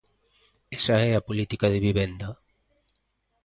Esa é a política de vivenda.